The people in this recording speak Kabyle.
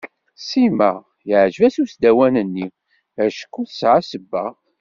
Sima yeɛǧeb-as usdawan-nni acku tesɛa sebba.